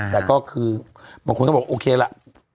แต่ก็คือบางคนก็บอกโอเคล่ะ